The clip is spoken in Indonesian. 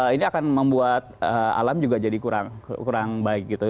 ini akan membuat alam juga jadi kurang baik gitu